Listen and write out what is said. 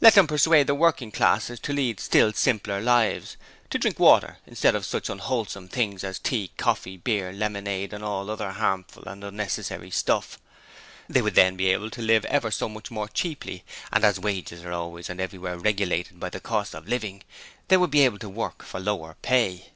Let them persuade the working classes to lead still simpler lives; to drink water instead of such unwholesome things as tea, coffee, beer, lemonade and all the other harmful and unnecessary stuff. They would then be able to live ever so much more cheaply, and as wages are always and everywhere regulated by the cost of living, they would be able to work for lower pay.